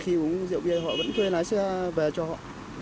khi uống rượu bia họ vẫn thuê lái xe về cho họ